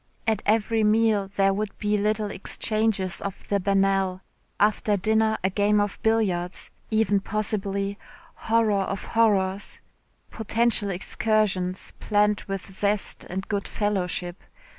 At every meal there would be little exchanges of the banal, after dinner a game of billiards even possibly, horror of horrors, potential excursions planned with zest and good fellowship.